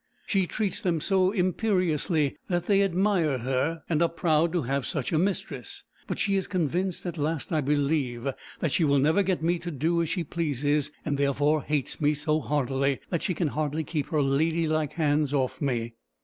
She treats them so imperiously, that they admire her, and are proud to have such a mistress. But she is convinced at last, I believe, that she will never get me to do as she pleases; and therefore hates me so heartily, that she can hardly keep her ladylike hands off me.